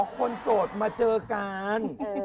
คนโสดมาเจอกัน